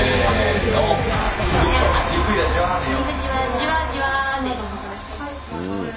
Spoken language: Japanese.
じわじわで。